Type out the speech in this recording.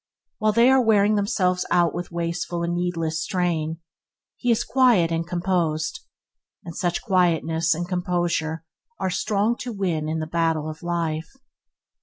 While they are wearing themselves out with wasteful and needless strain, he is quiet and composed, and such quietness and composure are strong to win in the battle of life.